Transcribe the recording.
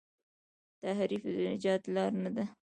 تحریف د نجات لار نه ده.